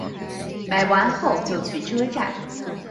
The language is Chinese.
买完后就去车站